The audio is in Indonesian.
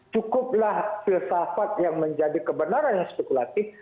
cukuplah filsafat yang menjadi kebenaran yang spekulatif